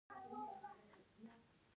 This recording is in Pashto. د غنمو وزن څنګه زیات کړم؟